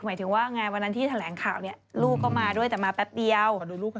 หมายถึงว่าไงวันนั้นที่แถลงข่าวเนี่ยลูกก็มาด้วยแต่มาแป๊บเดียว